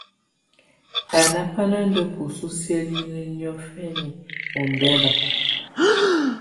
Báná bá ná ndá bǝ́su siǝ́linǝ́ niɔ́fɛna ɔmbɛla.